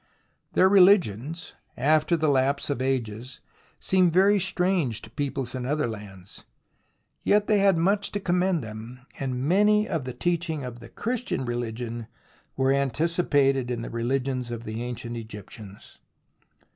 Their rehgions, after the lapse of ages, seem very strange to peoples in other lands. Yet they had much to commend them, and many of the teachings THE ROMANCE OF EXCAVATION 41 of the Christian reUgion were anticipated in the religions of the ancient Egyptians.